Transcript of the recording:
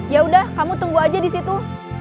yaudah kamu tunggu aja disitu